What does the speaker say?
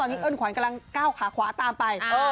ตอนนี้เอิ้นขวัญกำลังก้าวขาขวาตามไป